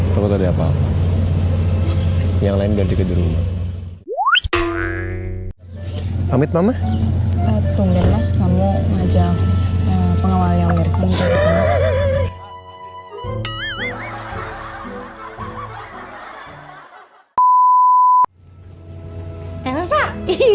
hai kalau ada apa yang lain dari kejuruhnya pamit mama tunggu mas kamu ajak pengawalnya